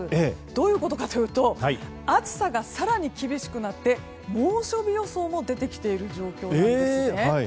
どういうことかというと暑さが更に厳しくなって猛暑日予想も出てきている状況なんですよね。